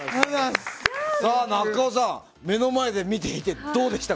中尾さん目の前で見ていてどうでしたか。